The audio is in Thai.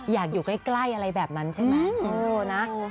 อยากอยู่ใกล้อะไรแบบนั้นใช่ไหม